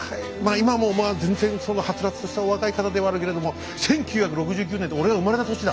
今もまあ全然そのはつらつとしたお若い方ではあるけれども１９６９年って俺が生まれた年だ。